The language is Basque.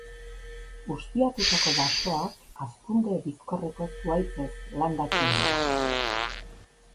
Ustiatutako basoak hazkunde bizkorreko zuhaitzez landatzen dira.